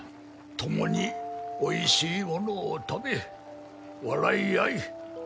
共においしいものを食べ笑い合い